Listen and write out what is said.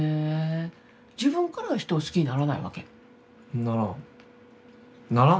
自分からは人を好きにならないわけ？ならん。